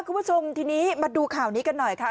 คุณผู้ชมทีนี้มาดูข่าวนี้กันหน่อยค่ะ